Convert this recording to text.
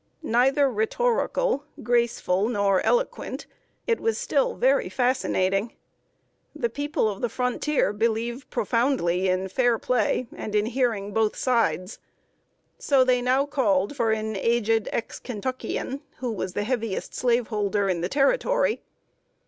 Neither rhetorical, graceful, nor eloquent, it was still very fascinating. The people of the frontier believe profoundly in fair play, and in hearing both sides. So they now called for an aged ex Kentuckian, who was the heaviest slaveholder in the Territory.